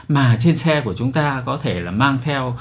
mà trên xe của chúng ta có thể là mang theo